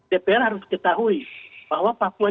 dpr harus ketahui bahwa papua